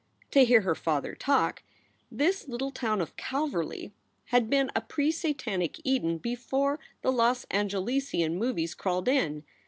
To hear her father talk, this little town of Calverly had been a pre Satanic Eden before the Los Angelesian movies crawled in.